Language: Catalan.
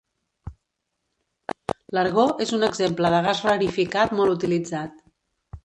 L'argó és un exemple de gas rarificat molt utilitzat.